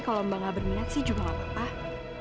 kalau mbak gak berminat sih juga gak apa apa